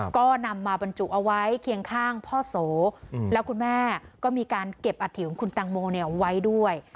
ก็นำมาบรรจุเอาไว้เคียงข้างพ่อโสแล้วคุณแม่ก็มีการเก็บอัฐิของคุณตังโมไว้ด้วย